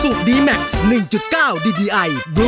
สวัสดีครับ